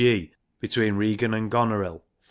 g. between Regan and Goneril (IV.